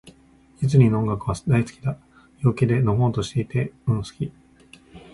ディズニーの音楽は、大好きだ。陽気で、のほほんとしていて。うん、好き。